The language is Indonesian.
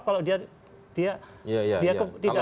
kalau dia tidak keberatan kenapa dia harus melakukan swap